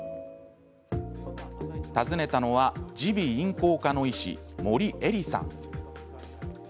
訪ねたのは耳鼻咽喉科の医師森恵莉さん。